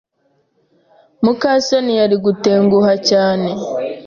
muka soni yari gutenguha cyane.